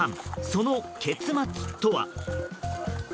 その結末とは。